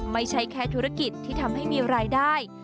ไม่ใช่แค่ธุรกิจที่ทำให้มีรายได้